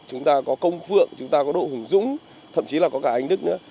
chúng ta có công phượng chúng ta có độ hùng dũng thậm chí là có cả anh đức nữa